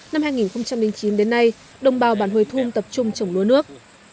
năm hai nghìn chín đến nay đồng bào bạn hùi thum tập trung trồng lúa nước